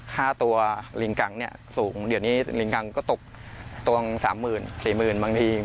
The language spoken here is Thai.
ค่าตัวลิงกังเนี่ยสูงเดี๋ยวนี้ลิงกังก็ตกตรง๓๐๐๐๐๔๐๐๐๐บางที